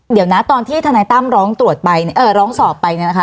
เดี๋ยวนะตอนที่ทนายตั้มร้องตรวจไปเอ่อร้องสอบไปเนี่ยนะคะ